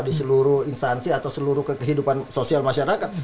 di seluruh instansi atau seluruh kehidupan sosial masyarakat